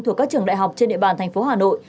thuộc các trường đại học trên địa bàn thành phố hà nội